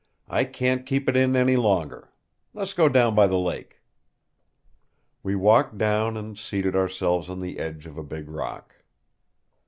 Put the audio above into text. "I can't keep it in any longer. Let's go down by the lake." We walked down and seated ourselves on the edge of a big rock.